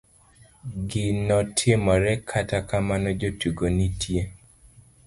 ginotimore kata kama jotugo nitie